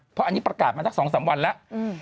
เพราะอันนี้ประกาศมาสัก๒๓วันแล้ว